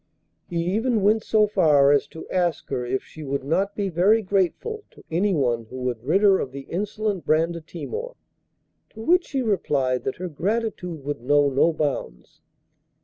He even went so far as to ask her if she would not be very grateful to anyone who would rid her of the insolent Brandatimor. To which she replied that her gratitude would know no bounds.